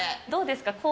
どうですか？